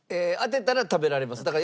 当てたら食べられます。